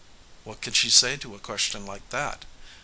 What could she say to a question like that?